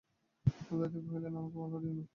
উদয়াদিত্য কহিলেন, আমাকে বাধা দিয়ো না।